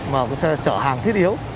mà cái xe chở hàng thiết yếu